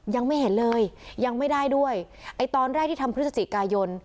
ยังไม่เห็นเลยยังไม่ได้ด้วยไอ้ตอนแรกที่ทำพฤศจิกายน